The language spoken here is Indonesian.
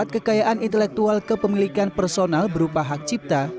empat kekayaan intelektual kepemilikan personal berupa hak cipta